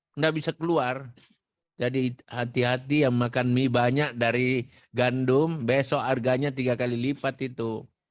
tidak bisa keluar jadi hati hati yang makan mie banyak dari gandum besok harganya tiga kali lipat itu